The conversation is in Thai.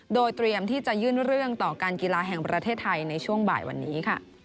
โดยเตรียมที่จะยื่นเรื่องต่อการกีฬาแห่งประเทศไทยในช่วงบ่ายวันนี้ค่ะ